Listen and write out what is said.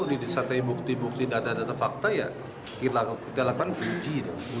didisakai bukti bukti data data fakta ya kita lakukan uji